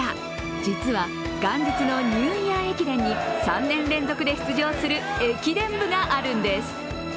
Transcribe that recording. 実は元日のニューイヤー駅伝に３年連続で出場する駅伝部があるんです。